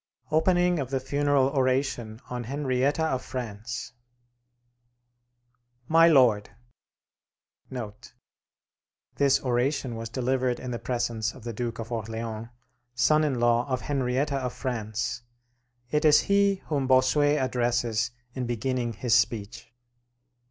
OPENING OF THE FUNERAL ORATION ON HENRIETTA OF FRANCE My Lord: [Footnote 4: This oration was delivered in the presence of the Duke of Orleans, son in law of Henrietta of France; it is he whom Bossuet addresses in beginning his speech.